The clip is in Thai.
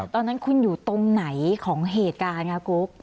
ตอนนั้นคุณอยู่ตรงไหนของเหตุการณ์ค่ะกุ๊ก